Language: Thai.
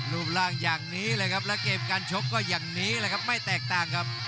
รูปร่างอย่างนี้เลยครับแล้วเกมการชกก็อย่างนี้แหละครับไม่แตกต่างครับ